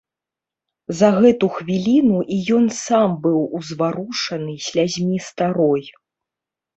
За гэту хвіліну і ён сам быў узварушаны слязьмі старой.